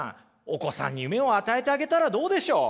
お子さんに夢を与えてあげたらどうでしょう？